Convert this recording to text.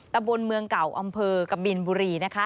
ตะบนเมืองเกาะอำเภอกับบีนบุรี